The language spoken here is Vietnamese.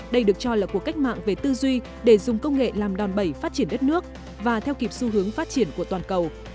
đây được cho là cuộc cách mạng về tư duy để dùng công nghệ làm đòn bẩy phát triển đất nước và theo kịp xu hướng phát triển của toàn cầu